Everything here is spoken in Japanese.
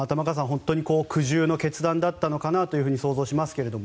本当に苦渋の決断だったのかなと想像しますが。